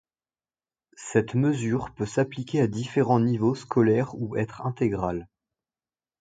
Cette mesure peut s'appliquer à différents niveaux scolaires ou être intégrale.